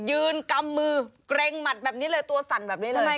ยืนกำมือเกรงหมัดแบบนี้เลยตัวสั่นแบบนี้ทำไม